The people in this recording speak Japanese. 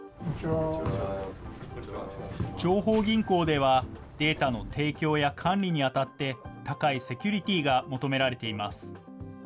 情報銀行では、データの提供や管理にあたって、高いセキュリティーが求められています。